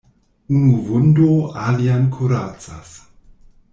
Unu vundo alian kuracas.